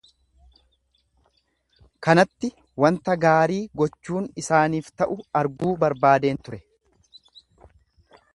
kanatti wanta gaarii gochuun isaaniif ta'u arguu barbaadeen ture.